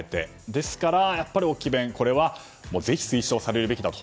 ですから、置き勉これはぜひ推奨されるべきだと。